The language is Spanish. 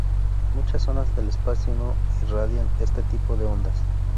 Muchas zonas del espacio, no irradian este tipo de ondas.